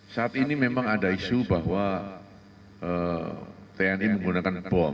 saat ini memang ada isu bahwa tni menggunakan bom